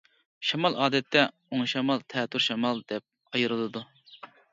شامال ئادەتتە ئوڭ شامال، تەتۈر شامال دەپ ئايرىلىدۇ.